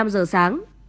năm giờ sáng